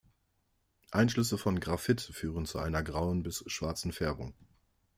Einschlüsse von Graphit führen zu einer grauen bis schwarzen Färbung.